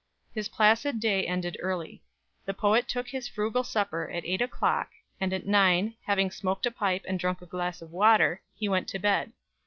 His placid day ended early. The poet took his frugal supper at eight o'clock, and at nine, having smoked a pipe and drunk a glass of water, he went to bed.